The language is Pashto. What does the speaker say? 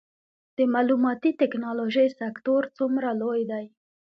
د معلوماتي ټیکنالوژۍ سکتور څومره لوی دی؟